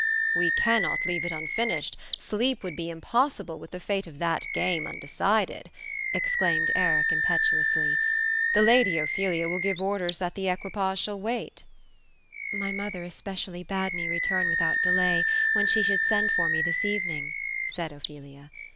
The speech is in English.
We cannot leave it unfinished ; sleep would be impossible, with the fate of that game undecided !" exclaimed Eric impetuously. " The lady Ophelia will give orders that the equipage shall wait." ''My mother especially bade me return without delay, when she should send for me this evening ;" said Ophelia.